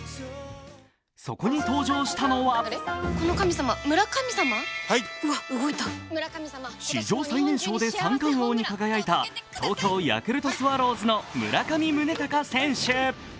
そこに登場したのは史上最年少で三冠王に輝いた東京ヤクルトスワローズの村上宗隆選手。